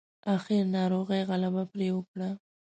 اخير ناروغۍ غلبه پرې وکړه.